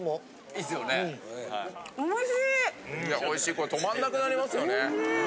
これ止まんなくなりますよね。